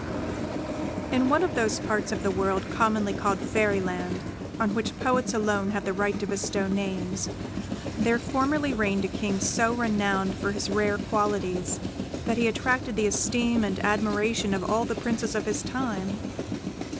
In one of those parts of the world, commonly called Fairyland, on which poets alone have the right to bestow names, there formerly reigned a King so renowned for his rare qualities, that he attracted the esteem and admiration of all the Princes of his time.